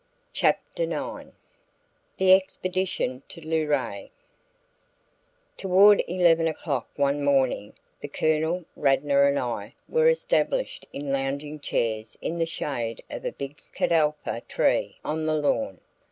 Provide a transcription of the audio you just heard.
CHAPTER IX THE EXPEDITION TO LURAY Toward eleven o'clock one morning, the Colonel, Radnor and I were established in lounging chairs in the shade of a big catalpa tree on the lawn.